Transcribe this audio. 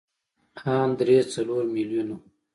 ان درې څلور ميليونه.